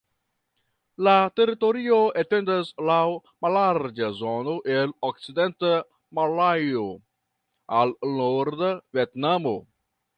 La teritorio etendas laŭ mallarĝa zono el okcidenta Himalajo al norda Vjetnamo.